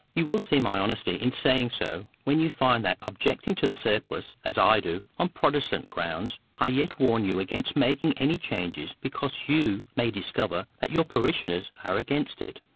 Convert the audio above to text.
You will see my honesty in saying so when you find that, objecting to the surplice, as I do, on Protestant grounds, I yet warn you against making any change because you may discover that your parishioners are against it.